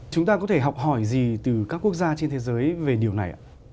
chúng ta có thể học hỏi gì từ các quốc gia trên thế giới về điều này ạ